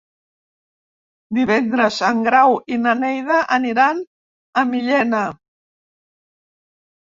Divendres en Grau i na Neida aniran a Millena.